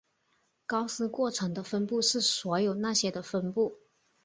高斯过程的分布是所有那些的分布。